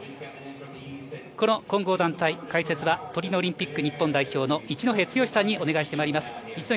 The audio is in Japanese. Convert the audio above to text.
この混合団体、解説はトリノオリンピック日本代表の一戸剛さんにお願いします。